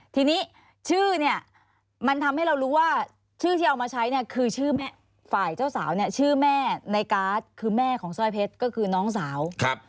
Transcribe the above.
ทีนี้ชื่อเนี่ยมันทำให้เรารู้ว่าชื่อที่เอามาใช้เนี่ยคือชื่อแม่ฝ่ายเจ้าสาวเนี่ยชื่อแม่ในการ์ดคือแม่ของสร้อยเพชรก็คือน้องสาวครับ